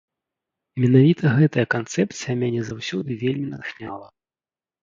Менавіта гэтая канцэпцыя мяне заўсёды вельмі натхняла.